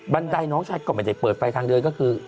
บันไดน้องชายกลับมาจะเปิดไฟทางเดินก็คือ